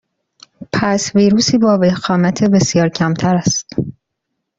پس ویروسی با وخامت بسیار کمتر است